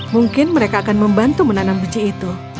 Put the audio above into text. mungkin mereka akan membantu menanam biji itu